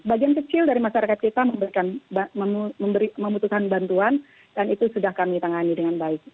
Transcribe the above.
bagian kecil dari masyarakat kita membutuhkan bantuan dan itu sudah kami tangani dengan baik